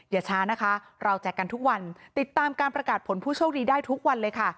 อย่าช้านะคะเราแจกกันทุกวันติดตามการประกาศผลผู้โชคดีได้ทุกวันเลยค่ะ